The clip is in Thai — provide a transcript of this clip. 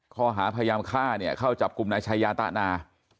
ข้อหาพยายามฆ่าเนี่ยเข้าจับกลุ่มนายชายาตะนา